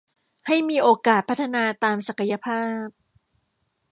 ให้มีโอกาสพัฒนาตามศักยภาพ